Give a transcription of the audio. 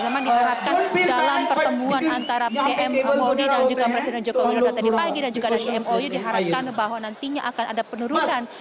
memang diharapkan dalam pertemuan antara bm mode dan juga presiden joko widodo tadi pagi dan juga dari mou diharapkan bahwa nantinya akan ada penurunan